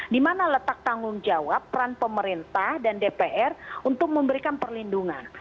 dimana letak tanggung jawab peran pemerintah dan dpr untuk memberikan perlindungan